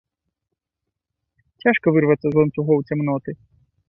Цяжка вырвацца з ланцугоў цямноты!